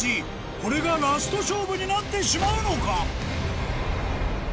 これがラスト勝負になってしまうのか？